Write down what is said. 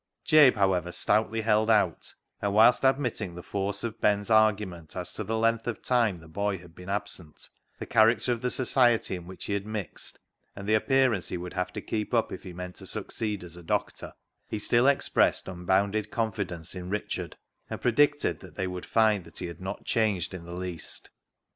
Jabe, however, stoutly held out, and whilst admitting the force of Ben's argument as to the length of time the boy had been absent, the character of the society in which he had mixed, and the appearance he would have to keep up if he meant to succeed as a doctor, he still expressed unbounded confidence in Richard, and predicted that they would find that he had not changed in the least.